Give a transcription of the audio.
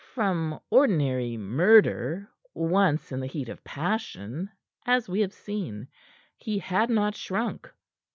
From ordinary murder, once in the heat of passion as we have seen he had not shrunk.